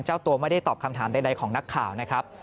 เจ้าตัวไม่ได้ตอบคำถามใดของนักข่าวนะครับ